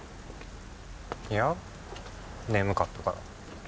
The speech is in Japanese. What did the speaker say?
いや眠かったから。